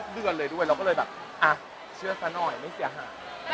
เราก็เลยว่าเหลือสันอยไม่เสียหา